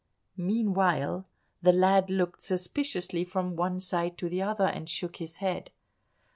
Meanwhile the lad looked suspiciously from one side to the other, and shook his head.